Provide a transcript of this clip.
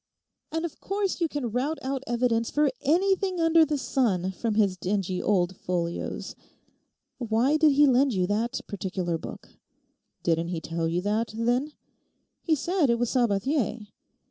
And of course you can rout out evidence for anything under the sun from his dingy old folios. Why did he lend you that particular book?' 'Didn't he tell you that, then?' 'He said it was Sabathier.